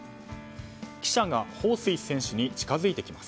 記者がホウ・スイ選手に近づいてきます。